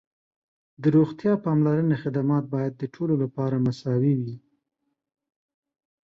د روغتیا پاملرنې خدمات باید د ټولو لپاره مساوي وي.